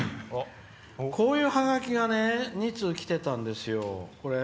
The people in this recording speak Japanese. こういうハガキが２通きてたんですよ。